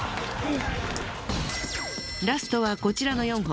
ラストはこちらの４本。